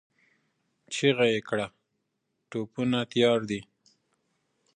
چيغه يې کړه! توپونه تيار دي؟